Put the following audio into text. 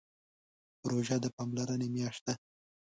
روژه د پاملرنې میاشت ده.